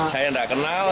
saya tidak kenal